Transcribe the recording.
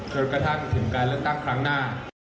จนกระทั่งถึงการเลือกตั้งครั้งหน้า